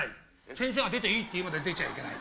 先生が出ていいって言うまで出ちゃいけない。